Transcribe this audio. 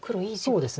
そうですね。